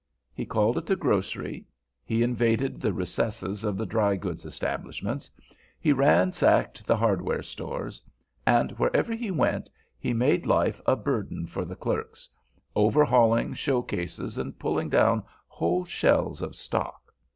He called at the grocery; he invaded the recesses of the dry goods establishments; he ransacked the hardware stores; and wherever he went he made life a burden for the clerks, overhauling show cases and pulling down whole shelves of stock.